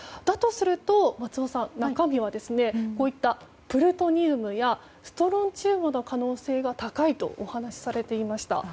だとすると、松尾さん中身はこういったプルトニウムやストロンチウムの可能性が高いとお話しされていました。